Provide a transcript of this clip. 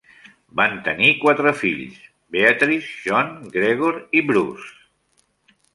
Van tenir quatre fills; Beatrice, John, Gregor i Bruce.